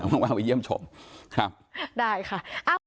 แววไปเยี่ยมชมครับได้ค่ะ